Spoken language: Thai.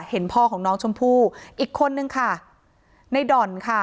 เห็นพ่อของน้องชมพู่อีกคนนึงค่ะในด่อนค่ะ